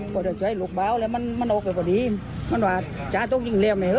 ก็จะใช้ลูกเบาแล้วมันมันออกไปพอดีมันว่าจาต้องยิ่งแล้วแม่เห